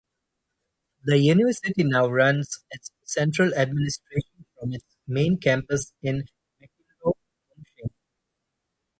The university now runs its central administration from its main campus in Mawkynroh-Umshing.